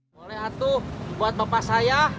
boleh atuh buat bapak saya